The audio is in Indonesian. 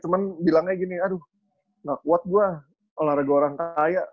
cuman bilangnya gini aduh gak kuat gue olahraga orang kaya